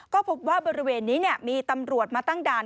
ก็พบว่าบริเวณนี้มีตำรวจมาตั้งด่าน